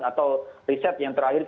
atau riset yang terakhir